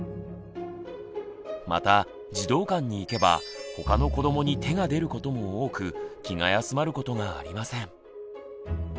また児童館に行けばほかの子どもに手がでることも多く気が休まることがありません。